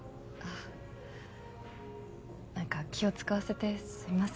あ何か気を使わせてすいません。